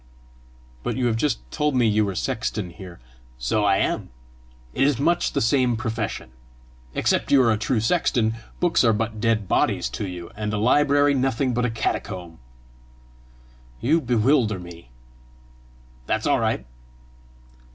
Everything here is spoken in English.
"But you have just told me you were sexton here!" "So I am. It is much the same profession. Except you are a true sexton, books are but dead bodies to you, and a library nothing but a catacomb!" "You bewilder me!" "That's all right!"